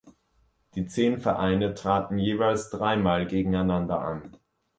Die zehn Vereine traten jeweils dreimal gegeneinander an.